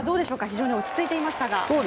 非常に落ち着いていましたが。